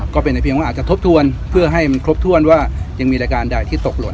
ก็เป็นในเพียงว่าอาจจะทบทวนเพื่อให้มันครบถ้วนว่ายังมีรายการใดที่ตกหล่น